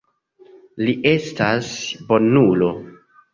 Li estas bonulo.